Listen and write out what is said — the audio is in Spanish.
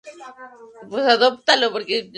La mayoría de las veces se la ve descalza.